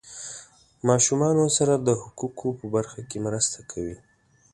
ماشومانو سره د حقوقو په برخه کې مرسته کوي.